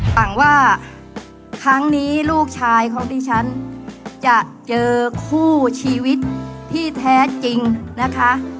หวังว่าครั้งนี้ลูกชายของดิฉันจะเจอคู่ชีวิตที่แท้จริงนะคะ